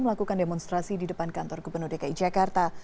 melakukan demonstrasi di depan kantor gubernur dki jakarta